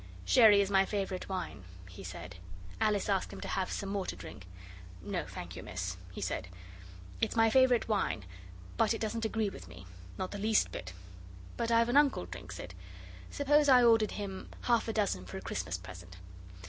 'Sherry is my favourite wine,' he said. Alice asked him to have some more to drink. 'No, thank you, miss,' he said; 'it's my favourite wine, but it doesn't agree with me; not the least bit. But I've an uncle drinks it. Suppose I ordered him half a dozen for a Christmas present?